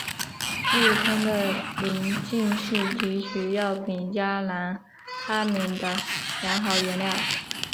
鹿葱的鳞茎是提取药品加兰他敏的良好原料。